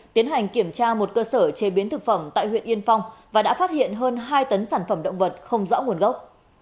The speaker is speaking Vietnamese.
tiến hành kiểm tra một cơ sở chế biến thực phẩm tại huyện yên phong và đã phát hiện hơn hai tấn sản phẩm động vật không rõ nguồn gốc